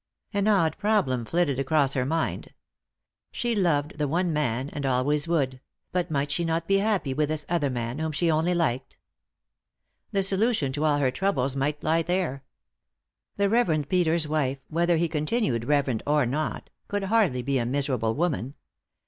An odd problem flitted across her mind. She loved the one man, and always would ; but might she not be happy with this other man, whom she only liked ? The solution to all her troubles might lie there. The Rev. Peter's wife, whether he continued " Reverend " or not, could hardly be a miserable woman.